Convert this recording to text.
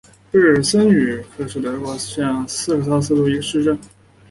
贝尔森布吕克是德国下萨克森州的一个市镇。